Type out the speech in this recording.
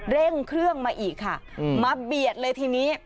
เร่งเครื่องมาอีกค่ะมาเบียดเลยทีนี้